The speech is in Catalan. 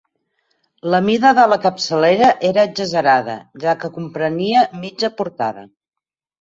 La mida de la capçalera era exagerada, ja que comprenia mitja portada.